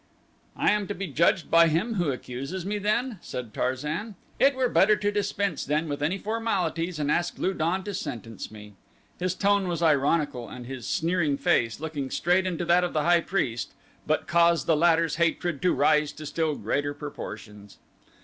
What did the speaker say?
"I am to be judged by him who accuses me then," said Tarzan. "It were better to dispense then with any formalities and ask Lu don to sentence me." His tone was ironical and his sneering face, looking straight into that of the high priest, but caused the latter's hatred to rise to still greater proportions.